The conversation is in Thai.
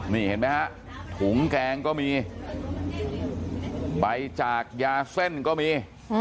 นี่เห็นไหมฮะถุงแกงก็มีไปจากยาเส้นก็มี